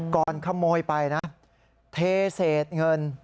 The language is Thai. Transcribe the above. ก่อนขโมยไปนะเทเศษเงิน